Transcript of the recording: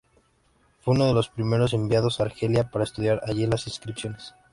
Fue uno de los primeros enviados a Argelia para estudiar allí las inscripciones romanas.